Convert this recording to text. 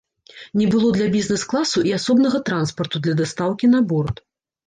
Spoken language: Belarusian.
Не было для бізнес-класу і асобнага транспарту для дастаўкі на борт.